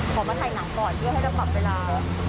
ขอมาถ่ายหนังก่อนเพื่อให้จะปรับเวลา